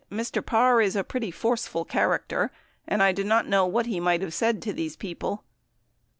Mr. Parr is a pretty forceful character, and I do not know what he might have said to these people."